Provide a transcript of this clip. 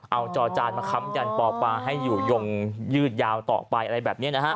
เอาจอจานมาค้ำยันปอปาให้อยู่ยงยืดยาวต่อไปอะไรแบบนี้นะฮะ